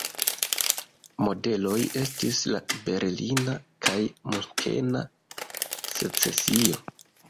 Modeloj estis la berlina kaj munkena secesio.